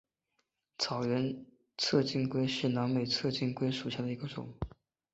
草原侧颈龟是南美侧颈龟属下的一种龟。